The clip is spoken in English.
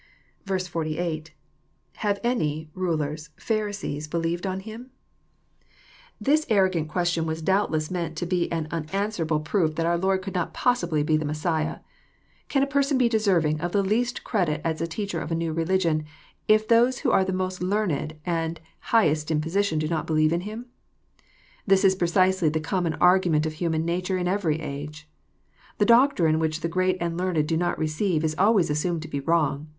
48. — IHave any,..ruler8.„Phari8ee8 believed on himf] This arro JOHN, CHAP. yn. 57 gant qnestlon wfts doubtless meant to be an unanswerable proof that oar Lord coald not possibly be the Messiah :— '<Can a person be deserving of the least credit, as a teacher of a new religion, if those who are the most learned and highest in posi tion do not believe Him ?"— This is precisely the commoi^argu ment of human nature in every a^e. The doctrine which the great and learned do not receive is always assumed to be wrong.